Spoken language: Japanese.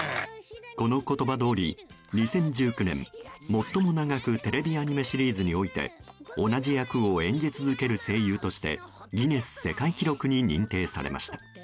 この言葉どおり、２０１９年最も長くテレビアニメシリーズにおいて同じ役を演じ続ける声優としてギネス世界記録に認定されました。